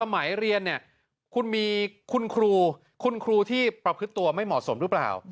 สมัยเรียนเนี่ยคุณมีคุณครูคุณครูที่ประพฤติตัวไม่เหมาะสมหรือเปล่า